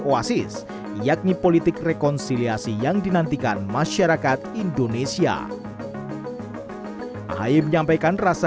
wasis yakni politik rekonsiliasi yang dinantikan masyarakat indonesia ahi menyampaikan rasa